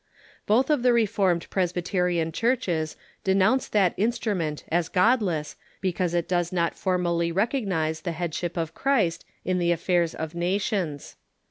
Both of the Reformed Presbyterian churches denounce that instrument as godless because it does not formally recognize the Headship of Christ in the affairs of nations.